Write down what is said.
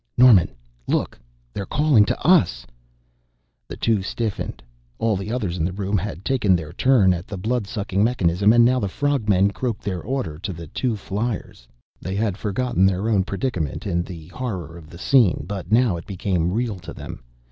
"Norman look they're calling to us!" The two stiffened. All the others in the room had taken their turn at the blood sucking mechanism and now the frog men croaked their order to the two fliers. They had forgotten their own predicament in the horror of the scene, but now it became real to them.